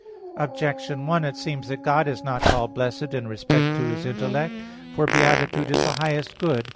Objection 1: It seems that God is not called blessed in respect to His intellect. For beatitude is the highest good.